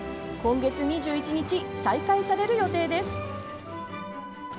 今月２１日、再開される予定です。